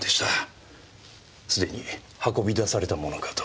既に運び出されたものかと。